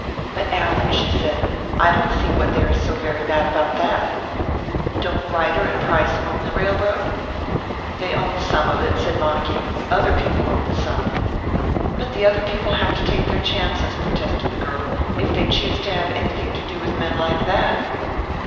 "But, Allan," she said, "I don't see what there is so very bad about that. Don't Ryder and Price own the railroad?" "They own some of it," said Montague. "Other people own some." "But the other people have to take their chances," protested the girl; "if they choose to have anything to do with men like that."